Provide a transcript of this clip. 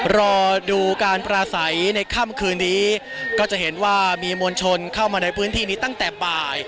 รอดูการปราศัยในค่ำคืนนี้ก็จะเห็นว่ามีมวลชนเข้ามาในพื้นที่นี้ตั้งแต่บ่าย